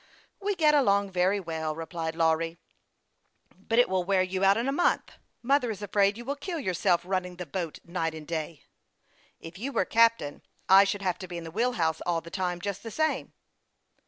" We get along very well," replied Lawry. " But it will wear you out in a month. Mother is afraid you will kill yourself, running the boat night and day." " If you were captain I should have to be in the wheel house all the time, just the same.